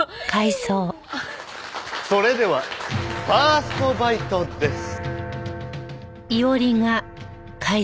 それではファーストバイトです。